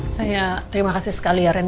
saya terima kasih sekali ya rena